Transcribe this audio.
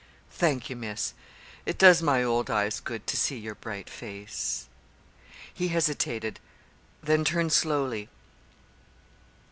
"Thank you, Miss. It does my old eyes good to see your bright face." He hesitated, then turned slowly.